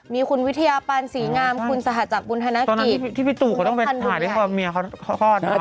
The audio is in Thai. มีคุณวิทยาปันศรีงามคุณสหจักรบุญธนกิจตอนนั้นที่พี่ตู่เขาต้องไปหาที่เมียเขาคลอด